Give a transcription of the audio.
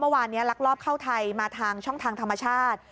เมื่อวานนี้ลักลอบเข้าไทยมาทางช่องทางธรรมชาติ